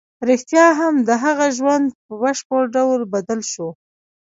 رښتیا هم د هغه ژوند په بشپړ ډول بدل شو